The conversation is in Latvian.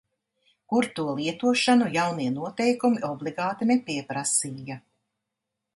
Kur to lietošanu jaunie noteikumi obligāti nepieprasīja.